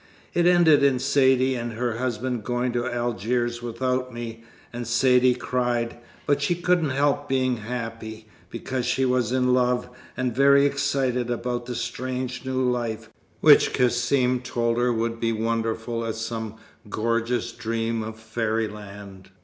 It ended in Saidee and her husband going to Algiers without me, and Saidee cried but she couldn't help being happy, because she was in love, and very excited about the strange new life, which Cassim told her would be wonderful as some gorgeous dream of fairyland.